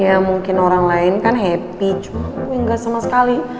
ya mungkin orang lain kan happy cuma gue gak sama sekali